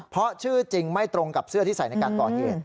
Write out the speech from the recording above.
เพราะชื่อจริงไม่ตรงกับเสื้อที่ใส่ในการก่อเหตุ